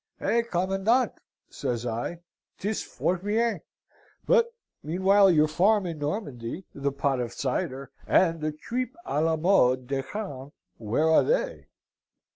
"'Eh, commandant!' says I, ''tis fort bien, but meanwhile your farm in Normandy, the pot of cider, and the trippes a la mode de Caen, where are they?'